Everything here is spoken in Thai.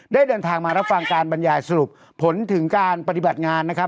เดินทางมารับฟังการบรรยายสรุปผลถึงการปฏิบัติงานนะครับ